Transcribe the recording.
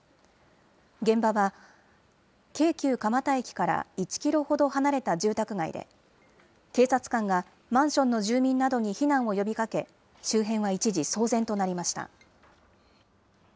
現場は、京急蒲田駅から１キロほど離れた住宅街で、警察官がマンションの住民などに避難を呼びかけ、周辺は一時、騒然となりました。